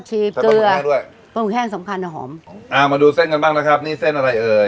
นี่เส้นอะไรเอ่ย